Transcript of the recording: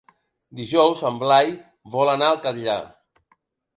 Dijous en Blai vol anar al Catllar.